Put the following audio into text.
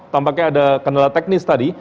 tampaknya ada kendala teknis tadi